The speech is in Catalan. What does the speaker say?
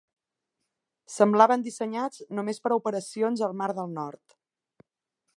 Semblaven dissenyats només per a operacions al Mar del Nord.